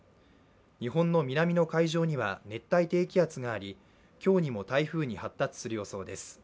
日本の南の海上には熱帯低気圧があり、今日にも台風に発達する予想です。